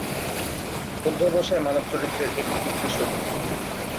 অধ্যবসায় মানব চরিত্রের একটি উৎকৃষ্ট গুণ।